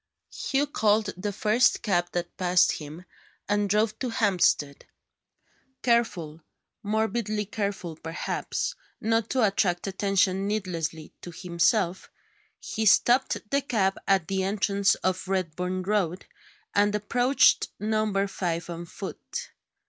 Hugh called the first cab that passed him, and drove to Hampstead. Careful morbidly careful, perhaps not to attract attention needlessly to himself, he stopped the cab at the entrance to Redburn Road, and approached Number Five on foot.